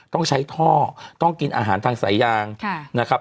ต้องใช้ท่อต้องกินอาหารทางสายยางนะครับ